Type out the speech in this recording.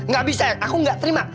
ga bisa aku ga terima